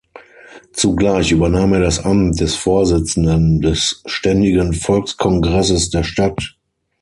Zugleich übernahm er das Amt des Vorsitzenden des Ständigen Volkskongresses der Stadt.